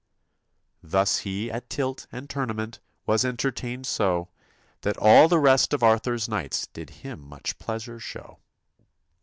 Thus he at tilt and tournament Was entertained so, That all the rest of Arthur's knights Did him much pleasure show.